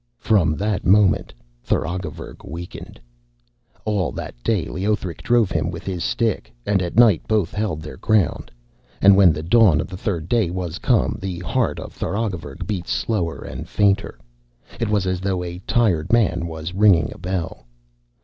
From that moment Tharagavverug weakened. All that day Leothric drove him with his stick, and at night both held their ground; and when the dawn of the third day was come the heart of Tharagavverug beat slower and fainter. It was as though a tired man was ringing a bell.